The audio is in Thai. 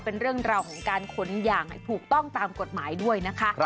เป็นเรื่องราวของการขนอย่างถูกต้องตามกฎหมายด้วยนะคะ